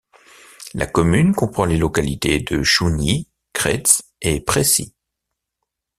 La commune comprend les localités de Chougny, Crêts et Pressy.